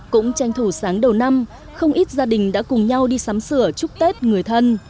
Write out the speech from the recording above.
cũng tranh thủ sáng đầu năm không ít gia đình đã cùng nhau đi sắm sửa chúc tết người thân